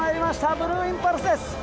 ブルーインパルスです。